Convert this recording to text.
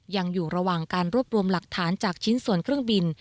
ยังอยู่ระหว่างการรวบรวมหลักฐานจากชิ้นส่วนเครื่องบิน